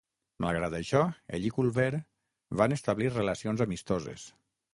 Malgrat això, ell i Culver van establir relacions amistoses.